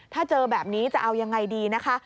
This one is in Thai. ถ้าเจอแบบนี้จะเอายังไงดีนะคะ